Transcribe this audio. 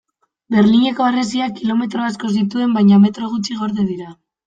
Berlineko harresiak kilometro asko zituen baina metro gutxi gorde dira.